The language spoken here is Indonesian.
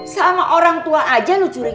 sama orang tua aja lo curigain